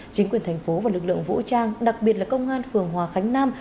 chính quyền thành phố và lực lượng vũ trang đặc biệt là công an phường hòa khánh nam